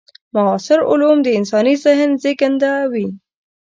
معاصر علوم د انساني ذهن زېږنده وي.